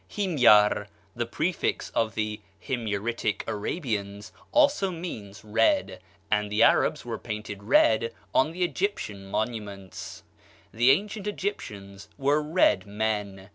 Himyar, the prefix of the Himyaritic Arabians, also means red, and the Arabs were painted red on the Egyptian monuments. The ancient Egyptians were red men.